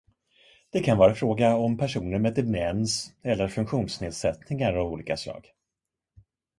Det kan vara fråga om personer med demens eller funktionsnedsättningar av olika slag.